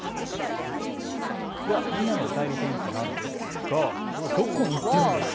では、みんなのおかえり天気なんですが、どこに行っているんですか。